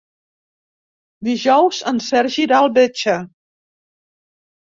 Dijous en Sergi irà al metge.